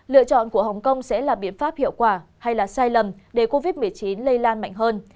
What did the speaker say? lựa chọn của hồng kông sẽ là biện pháp hiệu quả hay là sai lầm để covid một mươi chín lây lan mạnh hơn